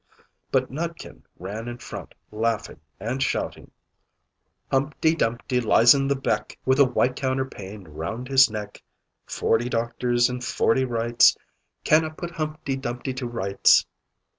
But Nutkin ran in front laughing, and shouting "Humpty Dumpty lies in the beck, With a white counterpane round his neck, Forty doctors and forty wrights, Cannot put Humpty Dumpty to rights!"